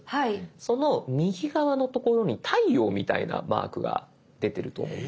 その右側のところに太陽みたいなマークが出てると思います。